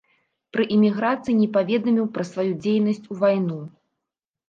Пры іміграцыі не паведаміў пра сваю дзейнасць у вайну.